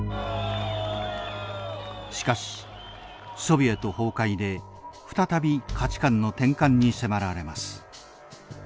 しかしソビエト崩壊で再び価値観の転換に迫られます。